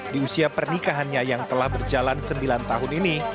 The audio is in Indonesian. di usia pernikahannya yang telah berjalan sembilan tahun ini